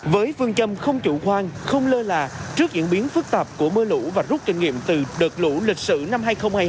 với phương châm không chủ khoan không lơ là trước diễn biến phức tạp của mưa lũ và rút kinh nghiệm từ đợt lũ lịch sử năm hai nghìn hai mươi hai